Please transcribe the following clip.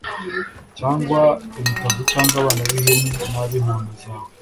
cyangwa imitavu cyangwa abana b'ihene n'ab'intama zawe